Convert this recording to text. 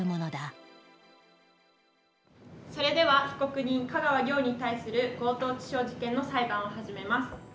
それでは被告人香川良に対する強盗致傷事件の裁判を始めます。